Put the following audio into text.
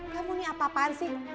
kamu nih apa apaan sih